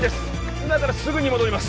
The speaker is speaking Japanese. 今からすぐに戻ります